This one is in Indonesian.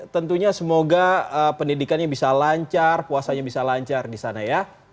tentunya semoga pendidikannya bisa lancar puasanya bisa lancar di sana ya